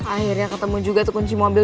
akhirnya ketemu juga tuh kunci mobil